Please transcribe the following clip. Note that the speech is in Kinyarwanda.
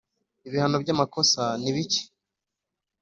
Ibihano by’ amakosa nibike.